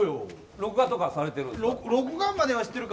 録画とかされてますか？